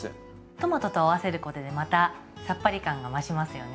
トマトと合わせることでまたさっぱり感が増しますよね。